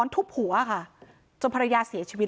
ทุบหัวค่ะจนภรรยาเสียชีวิต